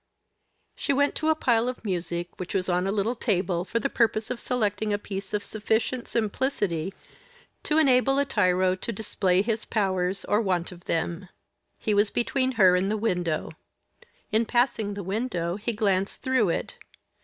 She went to a pile of music which was on a little table, for the purpose of selecting a piece of sufficient simplicity to enable a tyro to display his powers, or want of them. He was between her and the window. In passing the window he glanced through it.